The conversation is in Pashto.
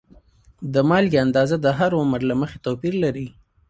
د مالګې اندازه د هر عمر له مخې توپیر لري.